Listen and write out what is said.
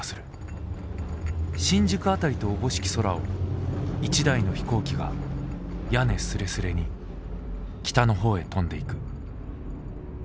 新宿当たりとおぼしき空を一台の飛行機が屋根すれすれに北の方へ飛んで行く」。